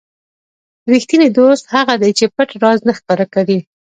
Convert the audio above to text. ریښتینی دوست هغه دی چې پټ راز نه ښکاره کړي.